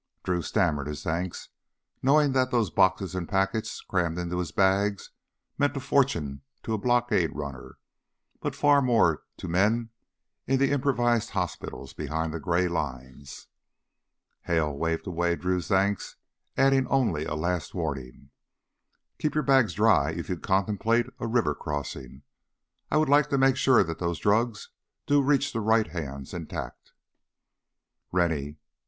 Drew stammered his thanks, knowing that those boxes and packets crammed into his bags meant a fortune to a blockade runner, but far more to men in the improvised hospitals behind the gray lines. Hale waved away Drew's thanks, adding only a last warning: "Keep your bags dry if you contemplate a river crossing! I would like to make sure that those drugs do reach the right hands intact." "Rennie!"